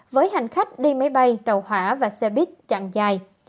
với hành khách đi máy bay tàu hỏa và xe buýt chặn dài